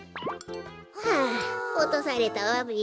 あおとされたわべ。